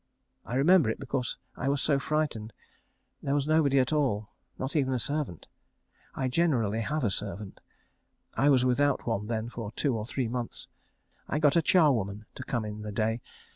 I remember it because I was so frightened. There was nobody at all. Not even a servant. I generally have a servant. I was without one then for two or three months. I got a charwoman to come in the day.